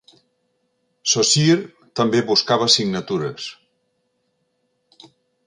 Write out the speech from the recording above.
Saussure també buscava signatures.